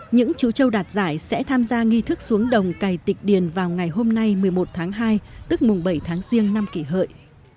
những chú châu đạt giải sẽ tham gia nghi thức xuống đồng cày tịch điền vào ngày hôm nay một mươi một tháng hai tức mùng bảy tháng riêng năm kỷ hợi